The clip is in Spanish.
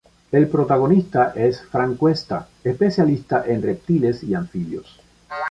El protagonista es Frank Cuesta, especialista en reptiles y anfibios.